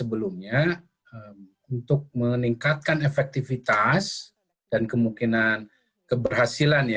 sebelumnya untuk meningkatkan efektivitas dan kemungkinan keberhasilan